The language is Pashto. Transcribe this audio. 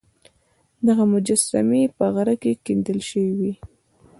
دغه مجسمې په غره کې کیندل شوې وې